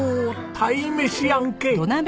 鯛めしやんけ！